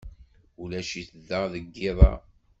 Ulac-it da deg yiḍ-a.